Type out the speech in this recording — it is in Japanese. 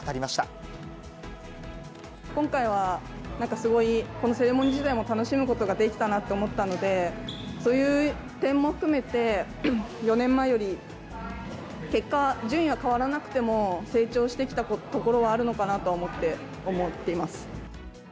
今回は、なんかすごいこのセレモニー自体も楽しむことができたなと思ったので、そういう点も含めて、４年前より結果、順位は変わらなくても、成長してきたところはあるのかなと思っています。